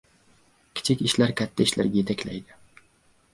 • Kichik ishlar katta ishlarga yetaklaydi.